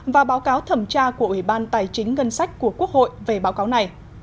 và báo cáo thẩm tra của ủy ban tài chính ngân sách của quốc hội về báo cáo này